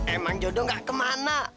emang jodoh gak kemana